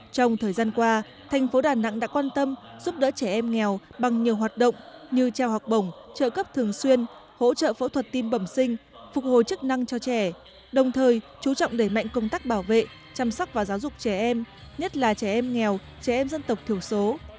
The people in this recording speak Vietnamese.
trong thời gian qua thành phố đà nẵng đã quan tâm giúp đỡ trẻ em nghèo bằng nhiều hoạt động như trao học bổng trợ cấp thường xuyên hỗ trợ phẫu thuật tim bẩm sinh phục hồi chức năng cho trẻ đồng thời chú trọng đẩy mạnh công tác bảo vệ chăm sóc và giáo dục trẻ em nhất là trẻ em nghèo trẻ em dân tộc thiểu số